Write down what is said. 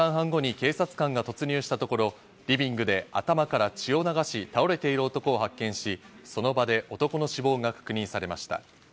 およそ３時間半後に警察官が突入したところ、リビングで頭から血を流し、倒れている男を発見し、その場で男の死亡が確認されました。